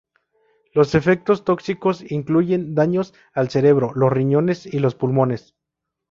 Los efectos tóxicos incluyen daños al cerebro, los riñones y los pulmones.